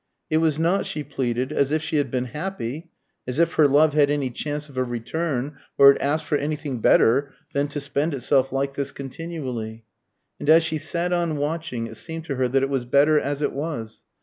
It was not, she pleaded, as if she had been happy, as if her love had any chance of a return, or had asked for anything better than to spend itself like this continually. And as she sat on watching, it seemed to her that it was better as it was.